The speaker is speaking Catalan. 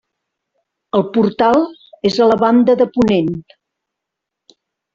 El portal és a la banda de ponent.